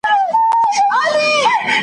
په غيرت ګټلی شی به ولې کم خورم